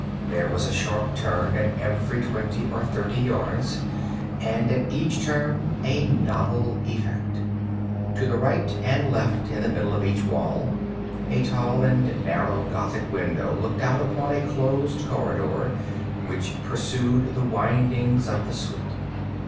There was a sharp turn at every twenty or thirty yards, and at each turn a novel effect. To the right and left, in the middle of each wall, a tall and narrow Gothic window looked out upon a closed corridor which pursued the windings of the suite.